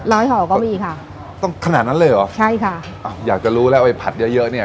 ห่อก็มีค่ะต้องขนาดนั้นเลยเหรอใช่ค่ะอ่ะอยากจะรู้แล้วไอ้ผัดเยอะเยอะเนี้ย